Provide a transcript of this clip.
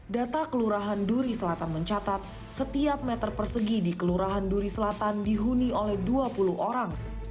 data kelurahan duri selatan mencatat setiap meter persegi di kelurahan duri selatan dihuni oleh dua puluh orang